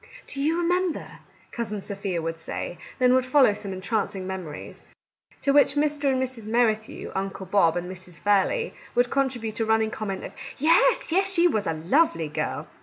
"Do you remember —" Cousin Sophia would say ; then would follow some entrancing memories, to which Mr. and Mrs. Merrithew, Uncle Bob, and Mrs. Fairley would contribute a running comment of " Yes, yes ! she was a lovely girl